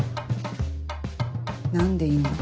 何でいんの？